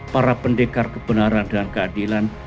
para pendekar kebenaran dan keadilan